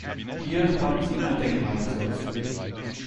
Hier haben Sie ihm ein Denkmal gesetzt.